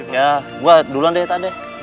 ya gue duluan deh tak deh